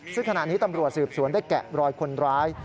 ซึ่งขณะนี้ตำรวจสืบสวนได้แกะรอยคนร้าย